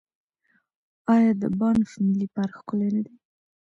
آیا د بانف ملي پارک ښکلی نه دی؟